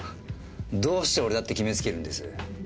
どうして俺だって決めつけるんです？